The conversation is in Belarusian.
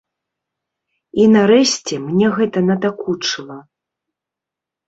І нарэшце мне гэта надакучыла.